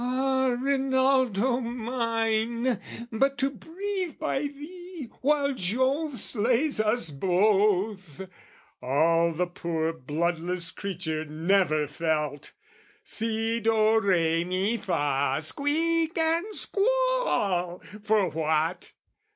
"Ah, Rinaldo mine! "But to breathe by thee while Jove slays us both!" All the poor bloodless creature never felt, Si, do, re, me, fa, squeak and squall for what?